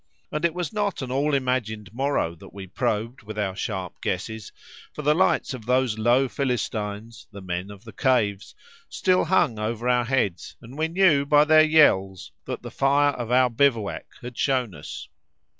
And it was not an all imagined morrow that we probed with our sharp guesses, for the lights of those low Philistines, the men of the caves, still hung over our heads, and we knew by their yells that the fire of our bivouac had shown us.